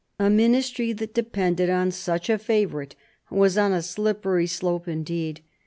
A Ministry that depended on such a favourite was on a slippery slope indeed.